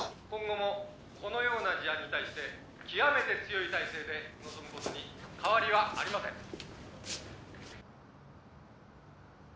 「今後もこのような事案に対して極めて強い態勢で臨む事に変わりはありません」